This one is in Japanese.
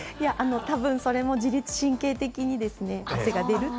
たぶんそれも自律神経的にですね、汗が出ると。